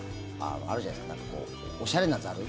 あるじゃないですかなんか、こうおしゃれなザル？